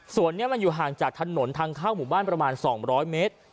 ส่วนนี้มันอยู่ห่างจากถนนทางเข้าหมู่บ้านประมาณ๒๐๐เมตร